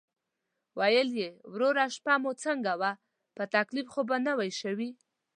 ویل یې: "وروره شپه مو څنګه وه، په تکلیف خو نه شوئ؟"